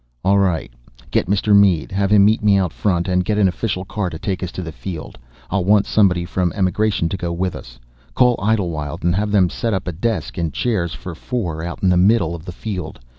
"All right, get Mr. Mead. Have him meet me out front, and get an official car to take us to the field. I'll want somebody from Emigration to go with us. Call Idlewild and have them set up a desk and chairs for four out in the middle of the field.